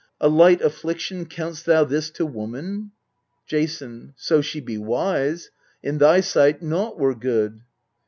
A light affliction count'st thou this to woman ? Jason. So she be wise in thy sight naught were good.